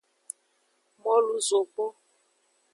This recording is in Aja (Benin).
Molu zogbon.